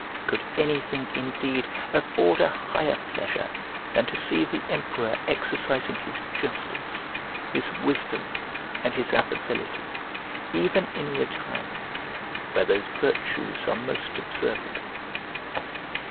Could anything indeed afford a higher pleasure than to see the emperor exercising his justice, his wisdom, and his affability, even in retirement, where those virtues are most observable?